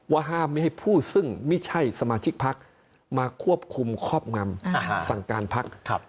ห้ามไม่ให้ผู้ซึ่งไม่ใช่สมาชิกพักมาควบคุมครอบงำสั่งการพัก